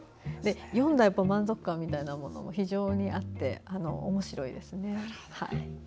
読んだ満足感みたいなものが非常にあっておもしろいです。